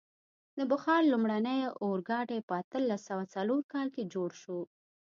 د بخار لومړنی اورګاډی په اتلس سوه څلور کال کې جوړ شو.